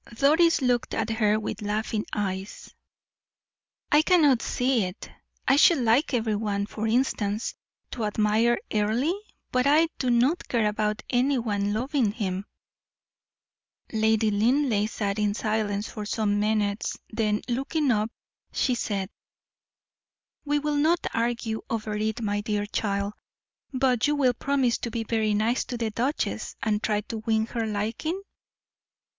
Doris looked at her with laughing eyes. "I cannot see it. I should like every one, for instance, to admire Earle, but I do not care about any one loving him." Lady Linleigh sat in silence for some minutes, then looking up, she said: "We will not argue over it, my dear child; but you will promise to be very nice to the duchess, and try to win her liking?"